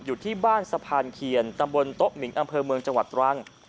อยู่ที่บ้านสะพานเคียนตำบลโต๊ะหมิงอำเภอเมืองจังหวัดตรัง